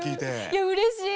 いやうれしい！